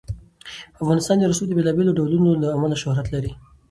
افغانستان د رسوب د بېلابېلو ډولونو له امله شهرت لري.